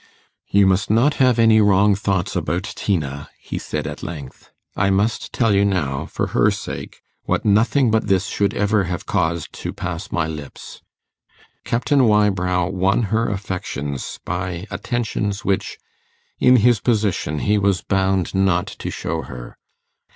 'You must not have any wrong thoughts about Tina,' he said at length. 'I must tell you now, for her sake, what nothing but this should ever have caused to pass my lips. Captain Wybrow won her affections by attentions which, in his position, he was bound not to show her.